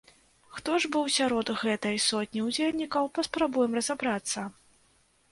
Хто ж быў сярод гэтай сотні ўдзельнікаў, паспрабуем разабрацца.